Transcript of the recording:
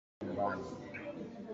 Karibu nyumbani